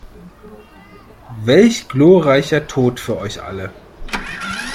Welch gloreicher Tot für euch alle!